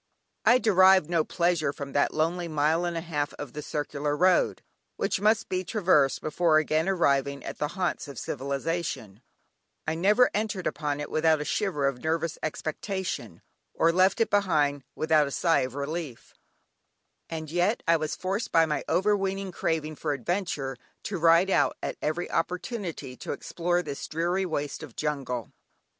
I derived no pleasure from that lonely mile and a half of the circular road, which must be traversed before again arriving at the haunts of civilisation; I never entered upon it without a shiver of nervous expectation, or left it behind without a sigh of relief, and yet I was forced by my overweening craving for adventure, to ride out at every opportunity to explore this dreary waste of jungle!